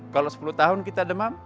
kalau sepuluh tahun kita demam